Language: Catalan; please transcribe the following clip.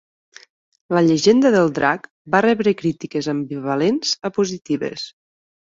"La llegenda del drac" va rebre crítiques ambivalents a positives.